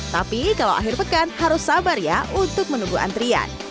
tapi kalau akhir pekan harus sabar ya untuk menunggu antrian